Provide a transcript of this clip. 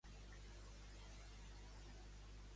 Aquest llibre amaga que una imatge val més que mil paraules.